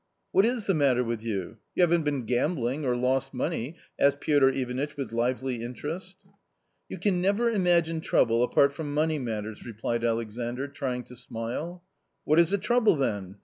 " What is the matter with you ? You haven't been gambling, or lost money ?" asked Piotr Ivanitch with lively interest "You can never imagine trouble apart from money matters I " replied Alexandr, trying to smile. " What is the trouble then